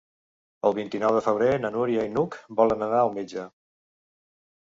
El vint-i-nou de febrer na Núria i n'Hug volen anar al metge.